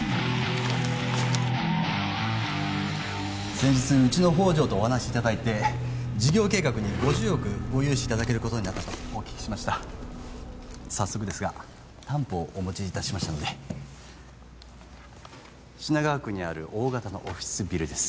先日うちの宝条とお話しいただいて事業計画に５０億ご融資いただけることになったとお聞きしました早速ですが担保をお持ちいたしましたので品川区にある大型のオフィスビルです